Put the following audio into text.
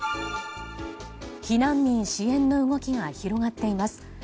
避難民支援の動きが広がっています。